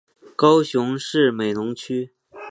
高雄市美浓区